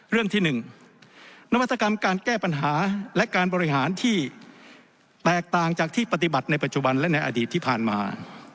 เรื่องที่๑นวัตกรรมการแก้ปัญหาและการบริหารที่แตกต่างจากที่ปฏิบัติในปัจจุบันและในอดีตที่ผ่านมา